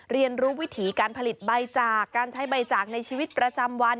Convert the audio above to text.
เรียนรู้วิถีการผลิตใบจากการใช้ใบจากในชีวิตประจำวัน